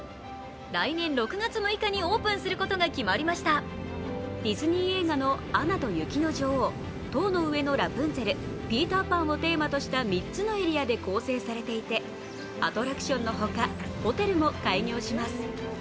来年６月６日にオープンすることが決まりましたディズニー映画の「アナと雪の女王」、「塔の上のラプンツェル」、「ピーター・パン」をテーマとした３つのエリアで構成されていてアトラクションのほか、ホテルも開業します。